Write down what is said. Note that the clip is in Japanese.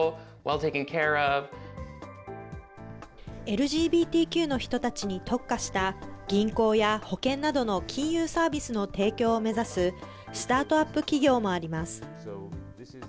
ＬＧＢＴＱの人たちに特化した銀行や保険などの金融サービスの提供を目指すスタートアップ企業もあります。